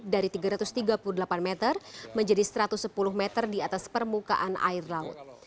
dari tiga ratus tiga puluh delapan meter menjadi satu ratus sepuluh meter di atas permukaan air laut